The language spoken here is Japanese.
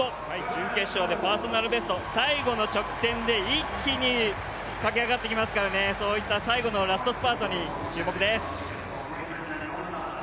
準決勝でパーソナルベスト、最後の直線で一気に駆け上がってきますからね、そういった最後のラストスパートに注目です。